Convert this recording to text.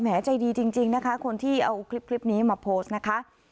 ใจดีจริงนะคะคนที่เอาคลิปนี้มาโพสต์นะคะ